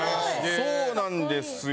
そうなんですよ。